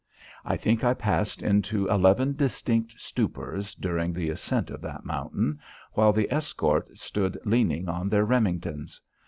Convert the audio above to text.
I think I passed into eleven distinct stupors during the ascent of that mountain while the escort stood leaning on their Remingtons.